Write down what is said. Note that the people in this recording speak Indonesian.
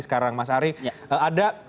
sekarang mas ari ada